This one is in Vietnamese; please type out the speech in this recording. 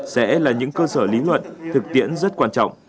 sẽ là những cơ sở lý luận thực tiễn rất quan trọng